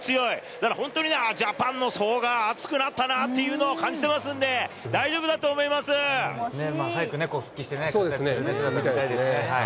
だから本当にジャパンの層が厚くなったというのを感じてますんで、早くね、復帰して活躍する姿見たいですね。